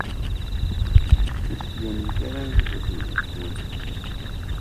Ur d-tettbanemt ara am baba-twent.